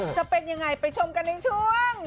จะเป็นยังไงไปชมกันในช่วง